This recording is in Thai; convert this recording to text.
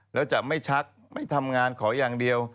แล้วจะไม่ชักไม่ทำงานขออย่างเดียว